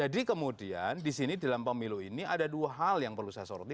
kemudian di sini dalam pemilu ini ada dua hal yang perlu saya soroti